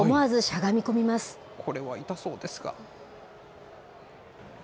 これは痛そうですが。